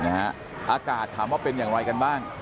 นะฮะอากาศธรรมเป็นอย่างไรกันบ้าง